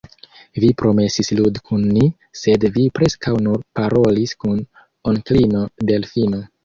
Vi promesis ludi kun ni, sed vi preskaŭ nur parolis kun onklino Delfino.